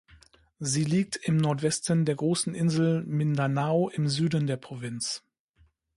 Sie liegt im Nordwesten der großen Insel Mindanao im Süden der Provinz.